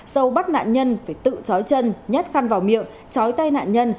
sâu bắt nạn nhân phải tự chói chân nhát khăn vào miệng chói tay nạn nhân